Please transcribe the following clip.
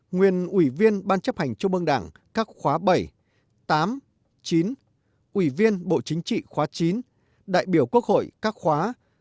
nguyên ủy viên ban chấp hành trung ương đảng các khóa bảy tám chín ủy viên bộ chính trị khóa chín đại biểu quốc hội các khóa tám một mươi một mươi một